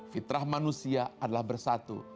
fitrah manusia adalah bersatu